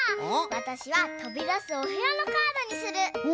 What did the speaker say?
わたしはとびだすおへやのカードにする。